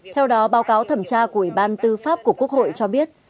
theo đó báo cáo thẩm tra của ủy ban tư pháp của quốc hội cho biết